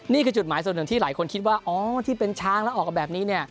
นี่คือจุดหมายส่วนหนึ่งที่หลายคนคิดว่าอ๋อที่เป็นช้างแล้วออกกันแบบนี้เนี่ย